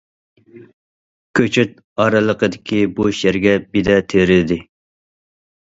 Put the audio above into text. كۆچەت ئارىلىقىدىكى بوش يەرگە بېدە تېرىدى.